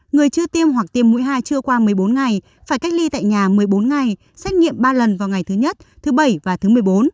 người chưa tiêm hoặc tiêm mũi hai chưa qua một mươi bốn ngày phải cách ly tại nhà một mươi bốn ngày xét nghiệm ba lần vào ngày thứ nhất thứ bảy và thứ một mươi bốn